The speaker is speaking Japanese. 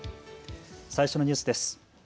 最初のニュースです。